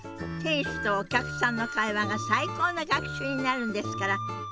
店主とお客さんの会話が最高の学習になるんですから。